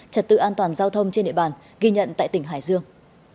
trật tự an toàn giao thông trên địa bàn ghi nhận tại tỉnh hải dương